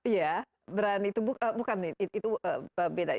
ya itu brand itu bukan itu beda